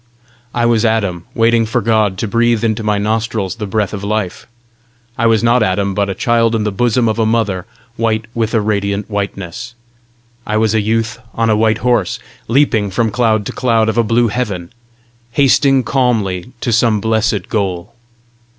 I was Adam, waiting for God to breathe into my nostrils the breath of life. I was not Adam, but a child in the bosom of a mother white with a radiant whiteness. I was a youth on a white horse, leaping from cloud to cloud of a blue heaven, hasting calmly to some blessed goal.